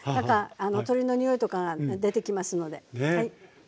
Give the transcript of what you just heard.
鶏のにおいとかが出てきますのではい。